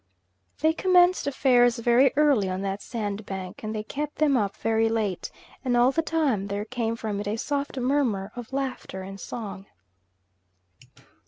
They commenced affairs very early on that sandbank, and they kept them up very late; and all the time there came from it a soft murmur of laughter and song.